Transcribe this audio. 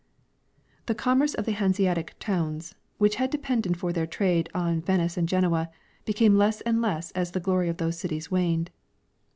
The commerce of the Hanseatic towns, Avhich had depended for their trade on Venice and Genoa, became less and less as the glory of those cities waned.